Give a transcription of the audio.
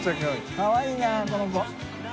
かわいいなこの子。